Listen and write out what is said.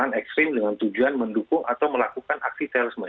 yang ekstrim dengan tujuan mendukung atau melakukan aksi terorisme